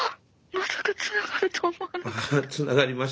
まさかつながると思わなかった。